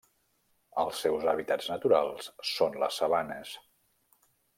Els seus hàbitats naturals són les sabanes.